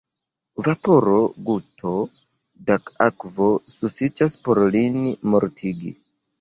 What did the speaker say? Vaporo, guto da akvo sufiĉas por lin mortigi.